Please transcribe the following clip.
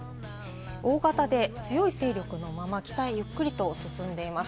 大型で強い勢力のまま、北にゆっくりと進んでいます。